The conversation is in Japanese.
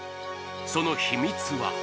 その秘密は？